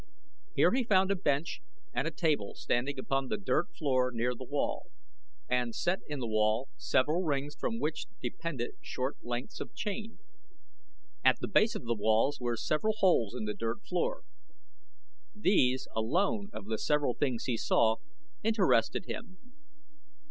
Here he found a bench and a table standing upon the dirt floor near the wall, and set in the wall several rings from which depended short lengths of chain. At the base of the walls were several holes in the dirt floor. These, alone, of the several things he saw, interested him.